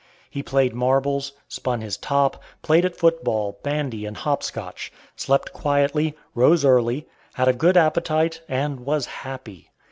He played marbles, spun his top, played at foot ball, bandy, and hop scotch; slept quietly, rose early, had a good appetite, and was happy.